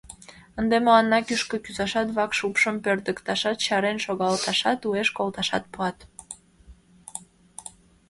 Ынде мыланна кӱшкӧ кӱзашат, вакш упшым пӧрдыкташат, чарен шогалташат, уэш колташат пуат.